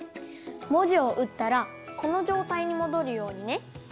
もじをうったらこのじょうたいにもどるようにね。